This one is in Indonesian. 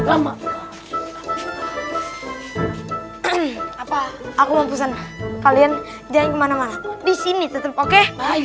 apa aku mau pesan kalian jangan kemana mana disini tetap oke